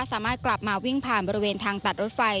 สามารถกลับมาวิ่งผ่านบริเวณทางตัดรถไฟ